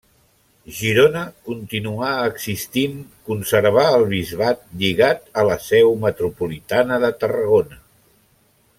Girona continuà existint, conservà el bisbat lligat a la seu metropolitana de Tarragona.